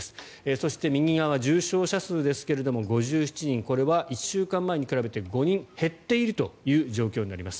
そして、右側重症者数ですが５７人これは１週間前に比べて５人減っているという状況になります。